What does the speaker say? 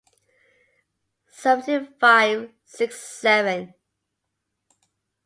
Seventy five six seven